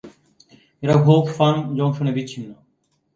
এরা Hope Farm জংশনে বিচ্ছিন্ন।